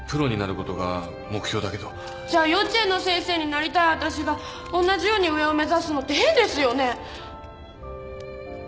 じゃあ幼稚園の先生になりたいわたしが同じように「上」を目指すのって変ですよね？